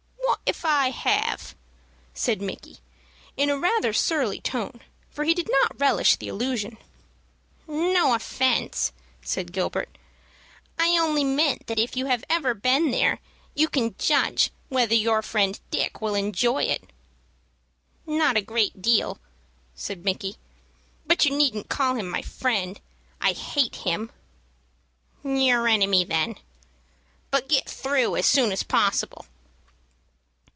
"Wot if I have?" said Micky, in rather a surly tone, for he did not relish the allusion. "No offence," said Gilbert. "I only meant that if you have ever been there, you can judge whether your friend Dick will enjoy it." "Not a great deal," said Micky; "but you needn't call him my friend. I hate him." "Your enemy, then. But get through as soon as possible."